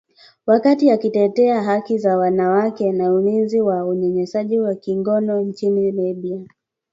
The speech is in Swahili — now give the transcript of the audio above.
wakati akitetea haki za wanawake na ulinzi wa unyanyasaji wa kingono nchini Liberia